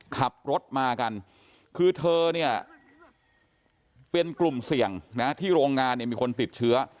ขับรถมากันคือเธอเนี่ยเป็นกลุ่มเสี่ยงนะที่โรงงานเนี่ยมีคนติดเชื้อ